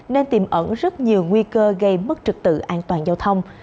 nên tìm ẩn rất nhiều nguy cơ gây mất trực tự an toàn giao thông